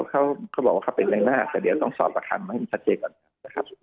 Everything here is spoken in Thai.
เขาบอกว่าเขาเป็นแรงหน้าแต่เดี๋ยวต้องสอบประคำให้ชัดเจนก่อนนะครับ